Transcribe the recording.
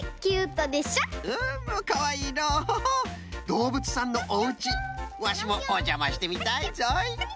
どうぶつさんのおうちワシもおじゃましてみたいぞい。